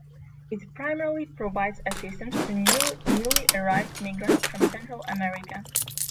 It primarily provides assistance to newly arrived migrants from Central America.